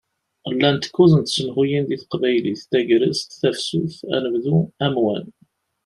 Llant kuẓ n tsemhuyin di teqbaylit: Tagrest, Tafsut, Anebdu, Amwan.